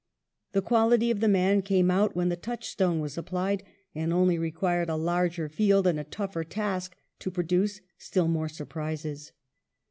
The quality of the man came out when the touchstone was applied, and only required a larger field and a tougher task to produce still more surprises.